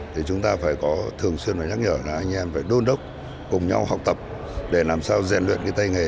thì chúng ta phải có thường xuyên phải nhắc nhở là anh em phải đôn đốc cùng nhau học tập để làm sao rèn luyện cái tay nghề